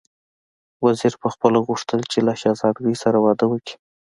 وزیر پخپله غوښتل چې له شهزادګۍ سره واده وکړي.